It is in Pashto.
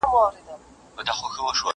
یو گوزار يې ورته ورکړ ناگهانه،